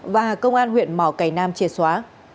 và công an huyện mỏ cầy nam chia xóa